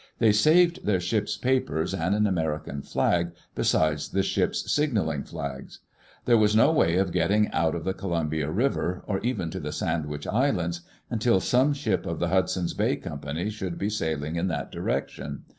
They saved their ship's papers and an American flag, besides the ship's signalling flags. There was no way of getting out of the Columbia River, or even to the Sandwich Islands, until some ship of the Hudson's Bay Company should be sailing in that direction.